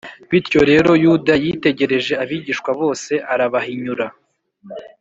bityo rero, yuda yitegereje abigishwa bose arabahinyura